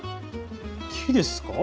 木ですか？